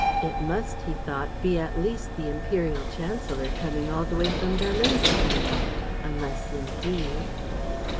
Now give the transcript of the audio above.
"It must," he thought, "be at least the imperial chancellor coming all the way from Berlin to see me ... unless indeed